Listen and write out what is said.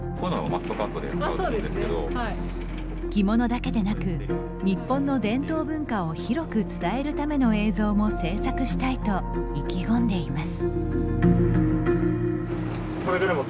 着物だけでなく日本の伝統文化を広く伝えるための映像も制作したいと意気込んでいます。